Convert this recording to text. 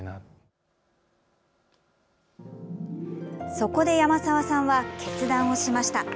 そこで山澤さんは決断をしました。